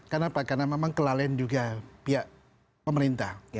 kenapa karena memang kelalaian juga pihak pemerintah